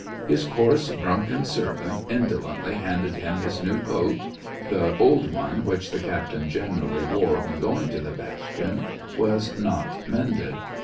His coarse, drunken servant indolently handed him his new coat (the old one, which the captain generally wore when going to the bastion, was not mended).